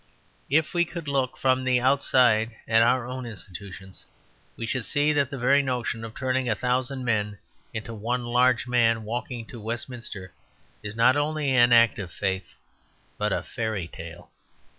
If we could look from the outside at our own institutions, we should see that the very notion of turning a thousand men into one large man walking to Westminster is not only an act or faith, but a fairy tale.